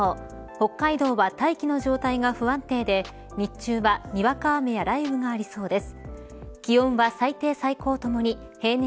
北海道は大気の状態が不安定で日中はにわか雨や雷雨がありそうです。